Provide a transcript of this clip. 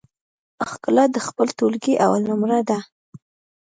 ښکلا د خپل ټولګي اول نمره ده